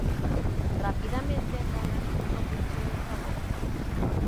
Rápidamente, Ronan se convirtió en el favorito.